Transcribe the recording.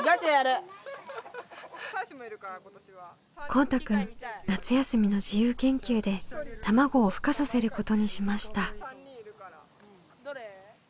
こうたくん夏休みの自由研究で卵をふ化させることにしました。